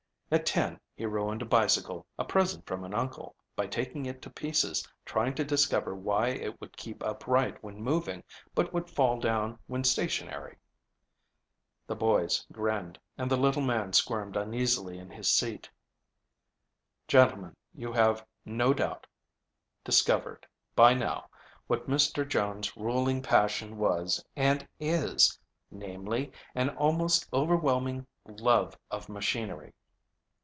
At ten he ruined a bicycle, a present from an uncle, by taking it to pieces trying to discover why it would keep upright when moving but would fall down when stationary." The boys grinned, and the little man squirmed uneasily in his seat. "Gentlemen, you have no doubt discovered by now what Mr. Jones' ruling passion was, and is, namely, an almost overwhelming love of machinery.